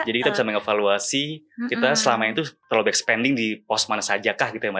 jadi kita bisa mengevaluasi kita selama itu terlalu banyak spending di pos mana saja kah gitu ya